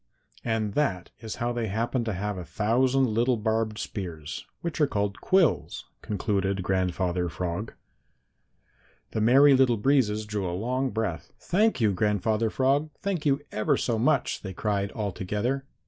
And that is how they happen to have a thousand little barbed spears, which are called quills," concluded Grandfather Frog. The Merry Little Breezes drew a long breath. "Thank you, Grandfather Frog, thank you ever so much!" they cried all together.